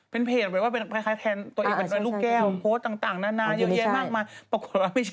เป็นเพจหมายถึงว่าเป็นคล้ายแทน